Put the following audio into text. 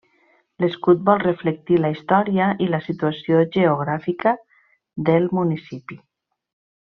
L'escut vol reflectir la història i la situació geogràfica del municipi.